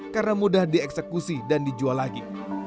karena mudah dieksekusi dan dijual lagi